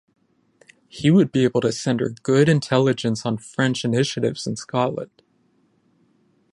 He would be able to send her good intelligence on French initiatives in Scotland.